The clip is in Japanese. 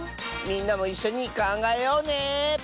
みんなもいっしょにかんがえようね。